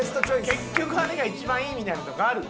結局あれが一番いいみたいなとこある。